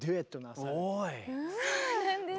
そうなんです。